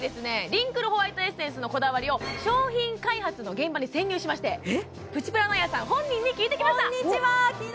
リンクルホワイトエッセンスのこだわりを商品開発の現場に潜入しましてプチプラのあやさん本人に聞いてきました！